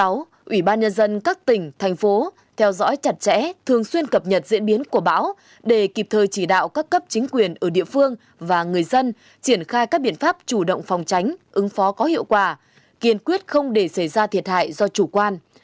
báo ủy ban nhân dân các tỉnh thành phố theo dõi chặt chẽ thường xuyên cập nhật diễn biến của bão để kịp thời chỉ đạo các cấp chính quyền ở địa phương và người dân triển khai các biện pháp chủ động phòng tránh ứng phó có hiệu quả kiên quyết không để xảy ra thiệt hại do chủ quan